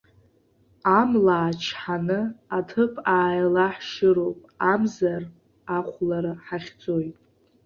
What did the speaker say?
Амла аачҳаны аҭыԥ ааилаҳшьыроуп, амзар ахәлара ҳахьӡоит.